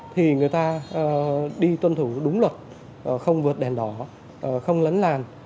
thì người ta đi tuân thủ đúng luật không vượt đèn đỏ không lấn làn